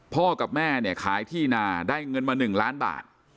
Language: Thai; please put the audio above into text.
พ่อกับแม่เนี่ยขายที่นาได้เงินมา๑ล้านบาท